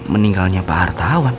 meninggalnya pak hartawan